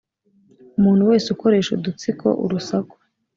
Umuntu wese ukoresha udutsiko urusaku